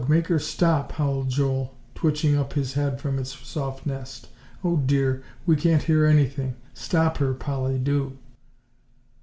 make her stop," howled Joel, twitching up his head from its soft nest. "Oh, dear, we can't hear anything. Stop her, Polly, do."